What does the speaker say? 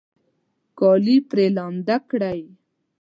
کالي پرې لامده کړئ